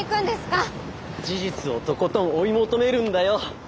事実をとことん追い求めるんだよ！